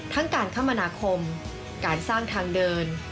ทั้งการคมนาคมการสร้างทางเดิน